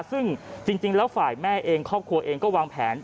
ซึ่งจริงแล้วฝ่ายแม่เองครอบครัวเองก็วางแผน